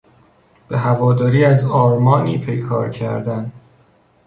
به هواداری از آرمانی پیکار کردن